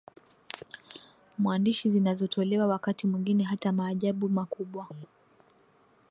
mwandishi zinazotolewa Wakati mwingine hata maajabu makubwa